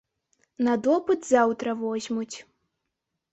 На допыт заўтра возьмуць.